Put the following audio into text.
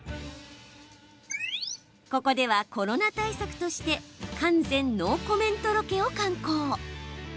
ここでは、コロナ対策として完全ノーコメントロケを敢行。